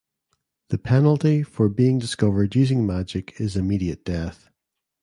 The penalty for being discovered using magic is immediate death.